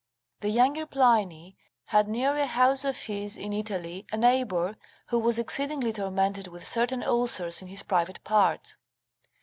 The younger Pliny' had near a house of his in Italy a neighbour who was exceedingly tormented with certain ulcers in his private parts.